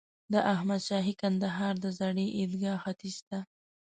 د احمد شاهي کندهار د زړې عیدګاه ختیځ ته.